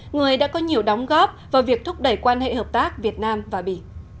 người đã có nhiều đóng góp vào việc thúc đẩy quan hệ hợp tác việt nam và bỉ